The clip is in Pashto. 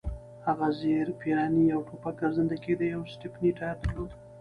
هغه زېرپېرني، یو ټوپک، ګرځنده کېږدۍ او یو سټپني ټایر درلود.